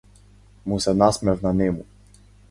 Му се насмевна нему.